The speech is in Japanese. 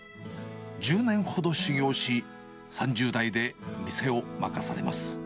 １０年ほど修業し、３０代で店を任されます。